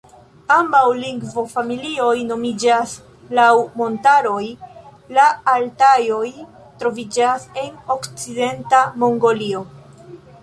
Ambaŭ lingvofamilioj nomiĝas laŭ montaroj; la Altajoj troviĝas en okcidenta Mongolio.